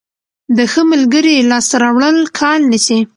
د ښه ملګري لاسته راوړل کال نیسي.